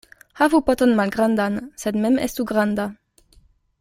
Havu poton malgrandan, sed mem estu granda.